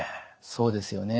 そうですよね。